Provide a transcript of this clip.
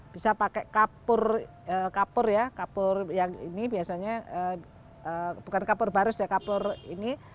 bisa pakai kapur kapur ya kapur yang ini biasanya bukan kapur barus ya kapur ini